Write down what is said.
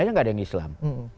aja gak ada yang islam